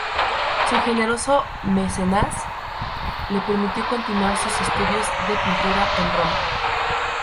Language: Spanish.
Su generoso mecenas le permitió continuar sus estudios de pintura en Roma.